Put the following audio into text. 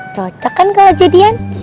cocok kan kalau jadian